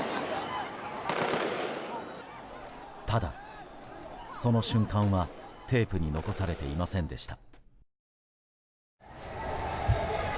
ただ、その瞬間はテープに残されていませんでした。